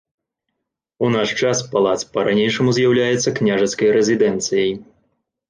У наш час палац па ранейшаму з'яўляецца княжацкай рэзідэнцыяй.